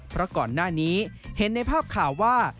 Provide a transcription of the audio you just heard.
เพราะก่อนหน้านี้เห็นในภาพข่าวว่า